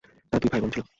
তার দুই ভাইবোন ছিল।